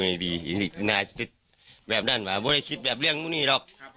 ไม่รู้ว่ามันขึ้นมาบนพื้งไหมเนี่ย